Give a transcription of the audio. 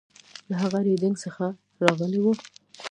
هغه له ریډینګ څخه راغلی و.